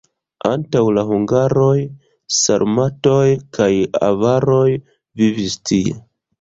Antaŭ la hungaroj sarmatoj kaj avaroj vivis tie.